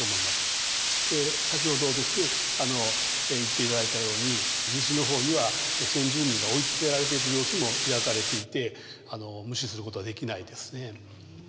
で先ほどですね言っていただいたように西の方には先住民が追い立てられていく様子も描かれていて無視することはできないですね。